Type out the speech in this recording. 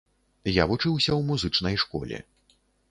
Я вучыўся ў музычнай школе.